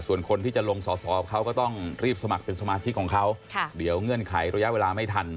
ส่วนคนที่จะลงสอสอเขาก็ต้องรีบสมัครเป็นสมาชิกของเขาเดี๋ยวเงื่อนไขระยะเวลาไม่ทัน